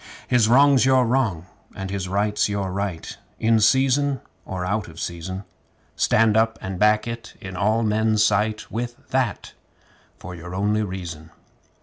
His wrong's your wrong, and his right's your right, In season or out of season. Stand up and back it in all men's sight With that for your only reason!